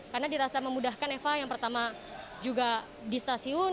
karena dirasa memudahkan eva yang pertama juga di stasiun